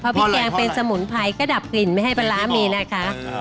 พริกแกงเป็นสมุนไพรก็ดับกลิ่นไม่ให้ปลาร้ามีนะคะ